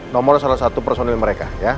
nomor salah satu personil mereka